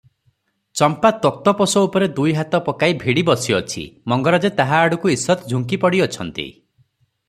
ଚମ୍ପା ତକ୍ତପୋଷ ଉପରେ ଦୁଇହାତ ପକାଇ ଭିଡ଼ି ବସିଅଛି; ମଙ୍ଗରାଜେ ତାହା ଆଡକୁ ଈଷତ୍ ଝୁଙ୍କି ପଡ଼ିଅଛନ୍ତି ।